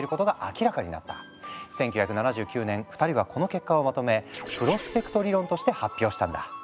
１９７９年２人はこの結果をまとめプロスペクト理論として発表したんだ。